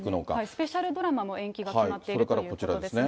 スペシャルドラマの延期が決まっているということですね。